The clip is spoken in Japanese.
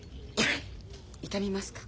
痛みますか？